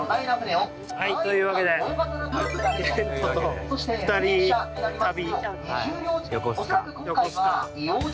◆はい、というわけで遣都と２人旅。